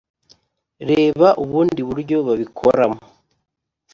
reba ubundi buryo babikoramo